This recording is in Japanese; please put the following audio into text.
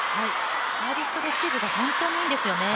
サービスとレシーブが本当にいいんですよね。